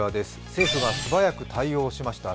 政府が素早く対応しました。